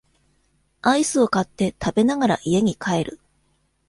アイスを買って食べながら家に帰る